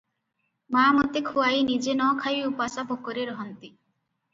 ମା' ମୋତେ ଖୁଆଇ ନିଜେ ନ ଖାଇ ଉପାସ ଭୋକରେ ରହନ୍ତି ।